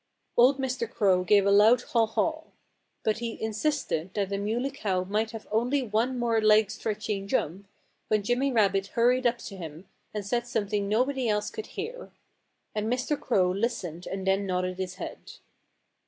Old Mr. Crow gave a loud haw haw. But he still insisted that the Muley Cow might have only one more leg stretching jump, when Jimmy Rabbit hurried up to him and said something nobody else could hear. And Mr. Crow listened and then nodded his head.